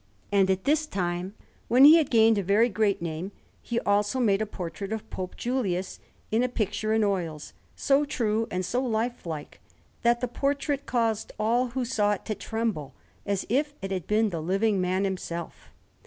And at this time, when he had gained a very great name, he also made a portrait of Pope Julius in a picture in oils, so true and so lifelike, that the portrait caused all who saw it to tremble, as if it had been the living man himself.